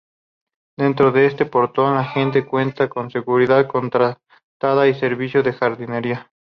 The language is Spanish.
Dentro de ese portón, la gente cuenta con seguridad contratada y servio de jardinería.